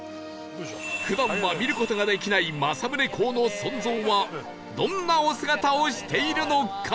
普段は見る事ができない政宗公の尊像はどんなお姿をしているのか？